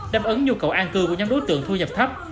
đáp ứng nhu cầu an cư của nhóm đối tượng thu nhập thấp